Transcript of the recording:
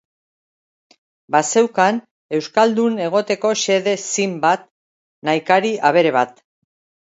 Bazeukan euskaldun egoteko xede zin bat, nahikari abere bat.